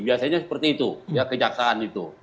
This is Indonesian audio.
biasanya seperti itu ya kejaksaan itu